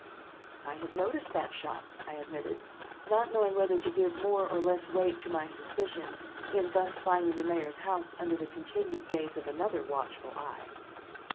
"I have noticed that shop," I admitted, not knowing whether to give more or less weight to my suspicions in thus finding the mayor's house under the continued gaze of another watchful eye.